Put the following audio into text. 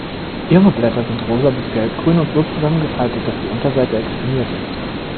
Junge Blätter sind rosa bis gelbgrün und so zusammengefaltet, dass die Unterseite exponiert ist.